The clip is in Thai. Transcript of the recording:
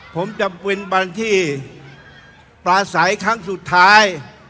ผมจะเป็นบรรทีประสัยครั้งสุดท้าย